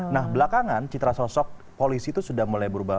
nah belakangan citra sosok polisi itu sudah mulai berubah